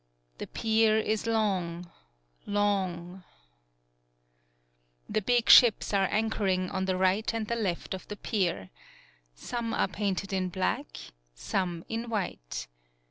* The pier is long long 56 THE PIER The big ships are anchoring on the right and the left of the pier. Some are painted in black, some in white.